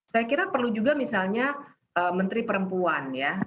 saya kira perlu juga misalnya menteri perempuan ya